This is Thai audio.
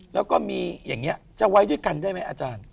แล้วก็มีอย่างนี้จะไว้ด้วยกันได้ไหมอาจารย์